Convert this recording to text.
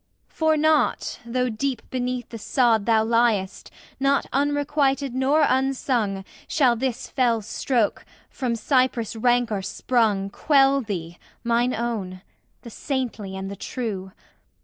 For not, though deep beneath the sod Thou liest, not unrequited nor unsung Shall this fell stroke, from Cypris' rancour sprung, Quell thee, mine own, the saintly and the true!